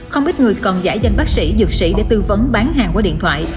không ít người còn giải danh bác sĩ dược sĩ để tư vấn bán hàng qua điện thoại